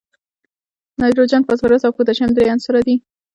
نایتروجن، فاسفورس او پوتاشیم درې عنصره دي.